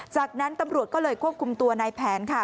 จากนั้นตำรวจก็เลยควบคุมตัวในแผนค่ะ